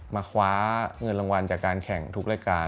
มาคว้าเงินรางวัลจากการแข่งทุกรายการ